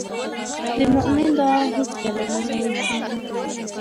د مؤمن دعا هېڅکله نه ضایع کېږي.